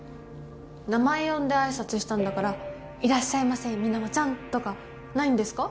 名前呼んで挨拶したんだから「いらっしゃいませ水面ちゃん」とかないんですか？